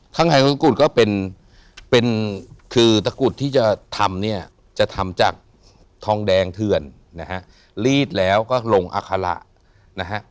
ข้างในตะกรุดก็เป็นเป็นคือตะกรุดที่จะทำเนี่ยจะทำจากทองแดงเถื่อนนะฮะลีดแล้วก็ลงอาคาระนะฮะ